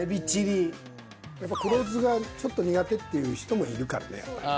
やっぱ黒酢がちょっと苦手っていう人もいるからねやっぱり。